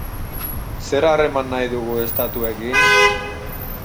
Zer harreman nahi dugu estatuekin?